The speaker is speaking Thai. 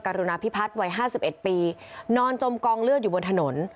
รุณาพิพัฒน์วัย๕๑ปีนอนจมกองเลือดอยู่บนถนน